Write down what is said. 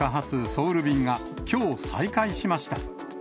ソウル便がきょう再開しました。